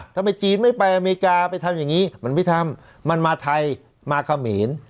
ทำไมจีนไม่ไปอเมริกาไปทำอย่างนี้มันไม่ทำมันมาไทยมาเขมร